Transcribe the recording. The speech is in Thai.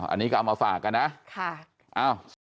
อันนี้ก็เอามาฝากกันนะ